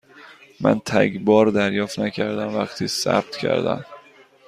من تگ بار دریافت نکردم وقتی ثبت کردم.